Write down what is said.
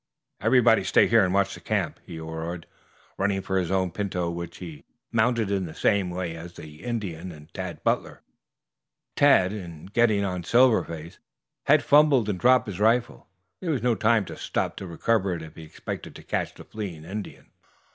"Everybody stay here and watch the camp!" he roared, running for his own pinto, which he mounted in the same way as had the Indian and Tad Butler. Tad, in getting on Silver Face, had fumbled and dropped his rifle. There was no time to stop to recover it if he expected to catch the fleeing Indian.